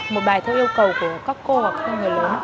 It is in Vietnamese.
một bài theo yêu cầu của các cô hoặc theo người lớn